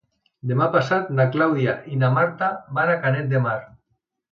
Demà passat na Clàudia i na Marta van a Canet de Mar.